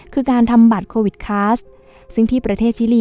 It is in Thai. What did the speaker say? คือการทำบัตรโควิดคลาสซึ่งที่ประเทศชิลี